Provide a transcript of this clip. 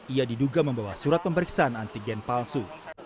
ia diduga membawa surat pemeriksaan antigen palsu